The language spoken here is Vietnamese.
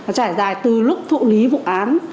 nó trải dài từ lúc thụ lý vụ án